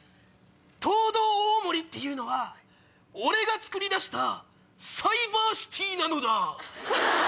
トウドウオオモリっていうのは俺がつくり出したサイバーシティーなのだ。